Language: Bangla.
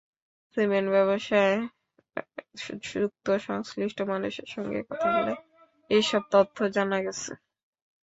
সিমেন্ট ব্যবসায় যুক্ত সংশ্লিষ্ট মানুষের সঙ্গে কথা বলে এসব তথ্য জানা গেছে।